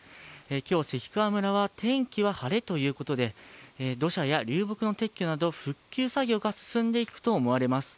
今日、関川村は天気は晴れということで土砂や流木の撤去など復旧作業が進んでいくと思われます。